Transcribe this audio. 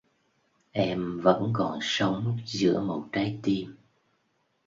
Em vẫn còn sống giữa một trái tim.